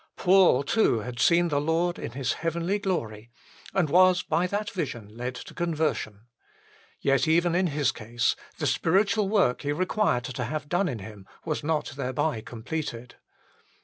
Paul too had seen the Lord in His heavenly glory and was by that vision led to conversion ; yet even in his case the spiritual work he required to have done in him was not thereby completed.